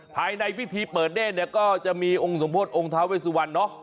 ภายในวิธีเปิดเน้นเน็นก็จะมีองค์สมบูรณ์องค์เท้าเวสุวรรณเนาะ